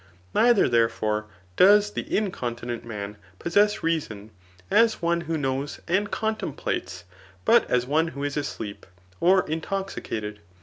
Neither, therefore, does the incon tinent man [possess reason] as one who knows and con templates, but ais one who is asleep, or intoxicated.